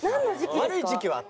悪い時期はあった。